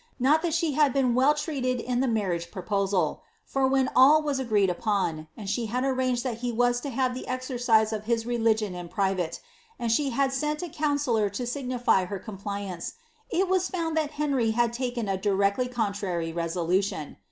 Not that she had been well treated in the marriage proposa. when all was agreed upon, and she had arranged that he was to the exercise of his religion in private, and she had sent a council! signify her compliance, it was found that Henry had taken a dii contrary resolution.